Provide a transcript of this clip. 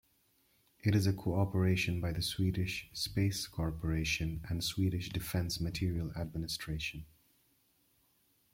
It is a co-operation by the Swedish Space Corporation and Swedish Defence Materiel Administration.